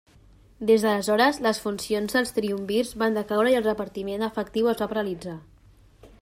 Des d'aleshores, les funcions dels triumvirs van decaure i el repartiment efectiu es va paralitzar.